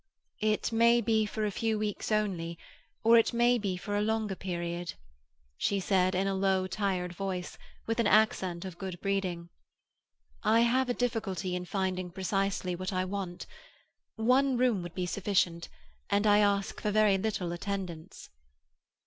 "It may be for a few weeks only, or it may be for a longer period," she said in a low, tired voice, with an accent of good breeding. "I have a difficulty in finding precisely what I want. One room would be sufficient, and I ask for very little attendance."